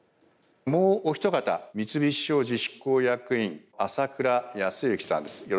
もうおひと方三菱商事執行役員朝倉康之さんです。